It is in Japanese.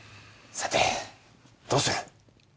さてどうする？